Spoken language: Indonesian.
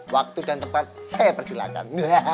waktu dan tempat saya persilahkan